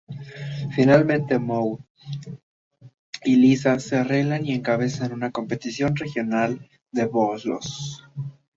Finalmente, Moe y Lisa se arreglan y encabezan una competición regional de bolos.